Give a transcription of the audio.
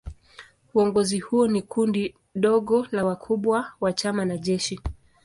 Uongozi huo ni kundi dogo la wakubwa wa chama na jeshi.